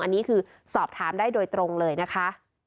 อันนี้คือสอบถามได้โดยตรงเลยนะคะ